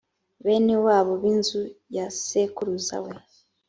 bene wabo b’inzu ya sekuruza we